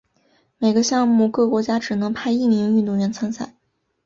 每个项目各国家只能派一名运动员参赛。